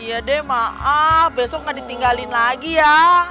ya deh maaf besok nggak ditinggalin lagi ya